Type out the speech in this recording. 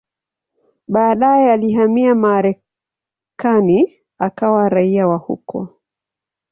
Baadaye alihamia Marekani akawa raia wa huko.